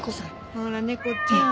ほら猫ちゃん。